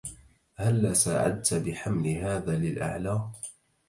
هلّا ساعدت بحمل هذا للأعلى؟